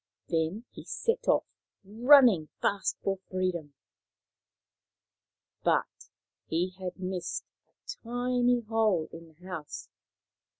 Then he set off, running fast for free dom. But he had missed a tiny hole in the house.